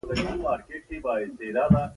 ماريا د کوچيانو کميس ياد کړ.